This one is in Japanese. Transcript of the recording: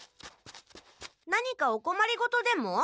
何かおこまりごとでも？